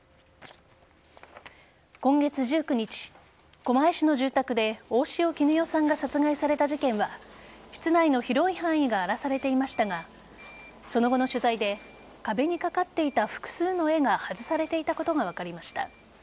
今月１９日狛江市の住宅で大塩衣与さんが殺害された事件は室内の広い範囲が荒らされていましたがその後の取材で壁にかかっていた複数の絵が外されていたことが分かりました。